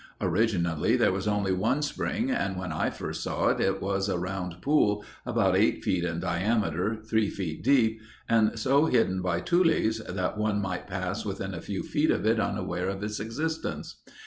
Originally there was only one spring and when I first saw it, it was a round pool about eight feet in diameter, three feet deep and so hidden by tules that one might pass within a few feet of it unaware of its existence.